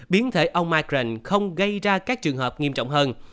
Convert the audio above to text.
biến thể omicron không gây ra các trường hợp nghiêm trọng hơn